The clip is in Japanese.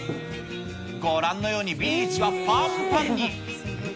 ご覧のようにビーチはぱんぱんに。